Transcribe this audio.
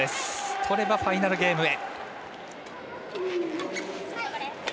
取ればファイナルゲームへ。